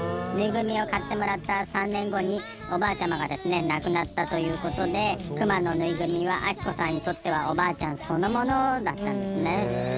ぬいぐるみを買ってもらった３年後におばあちゃまが亡くなったということでクマのぬいぐるみは明子さんにとってはおばあちゃんそのものだったんですね。